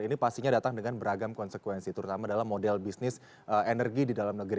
ini pastinya datang dengan beragam konsekuensi terutama dalam model bisnis energi di dalam negeri